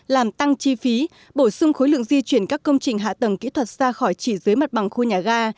làm tăng chi phí bổ sung khối lượng di chuyển các công trình hạ tầng kỹ thuật ra khỏi chỉ dưới mặt bằng khu nhà ga